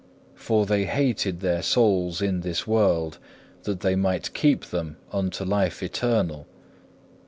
For they hated their souls in this world that they might keep them unto life eternal.